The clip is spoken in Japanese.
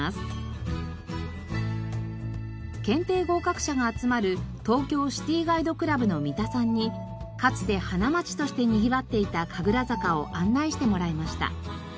検定合格者が集まる東京シティガイドクラブの三田さんにかつて花街としてにぎわっていた神楽坂を案内してもらいました。